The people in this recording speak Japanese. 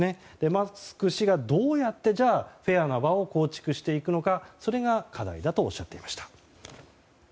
マスク氏がどうやってフェアな場を構築していくのかそれが課題だとおっしゃっていました。